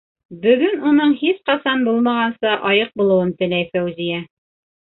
Бөгөн уның һис ҡасан булмағанса айыҡ булыуын теләй Фәүзиә.